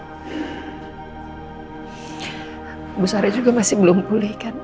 ibu sari juga masih belum pulih kan